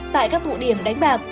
tại các thủ điểm đánh bạc